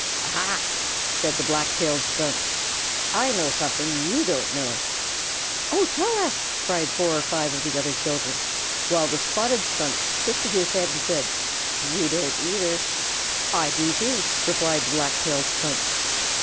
"Aha!" said the Black tailed Skunk. "I know something you don't know." "Oh, tell us!" cried four or five of the other children, while the Spotted Skunk twisted his head and said, "You don't either!" "I do too!" replied the Black tailed Skunk.